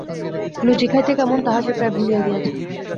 লুচি খাইতে কেমন তাহা সে প্রায় ভুলিয়া গিয়াছে।